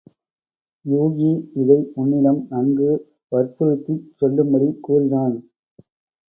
யூகி இதை உன்னிடம் நன்கு வற்புறுத்திச் சொல்லும்படி கூறினான்.